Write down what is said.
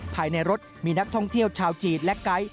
ภายในรถมีนักท่องเที่ยวชาวจีนและไกด์